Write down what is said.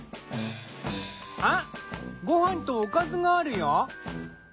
あっごはんとおかずがあるよ。